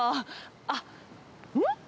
あっ、うん？